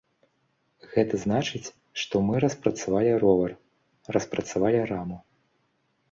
Гэта значыць, што мы распрацавалі ровар, распрацавалі раму.